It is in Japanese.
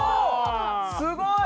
すごい！